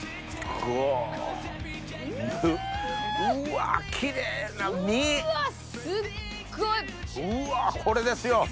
うわこれですよ。